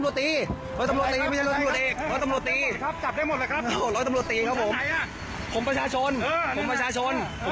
พออธิบายคุณฟังยัง